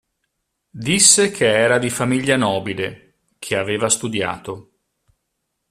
Disse che era di famiglia nobile, che aveva studiato.